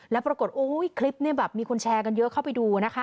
แล้วปรากฏโอ้ยคลิปเนี่ยแบบมีคนแชร์กันเยอะเข้าไปดูนะคะ